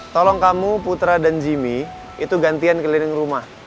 tolong kamu putra dan jimmy itu gantian keliling rumah